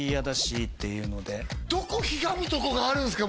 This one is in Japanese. どこひがむとこがあるんですか？